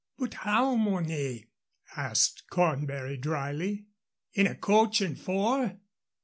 "But how, Mornay?" asked Cornbury, dryly. "In a coach and four?"